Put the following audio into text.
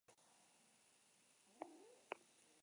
Donostiako udaletxea da egoitza nagusia.